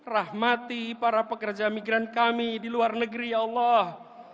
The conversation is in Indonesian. rahmati para pekerja migran kami di luar negeri ya allah